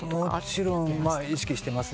もちろん意識してますね。